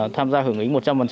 tham gia hưởng ứng một trăm linh